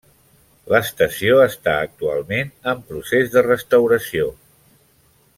L'estació està actualment en procés de restauració.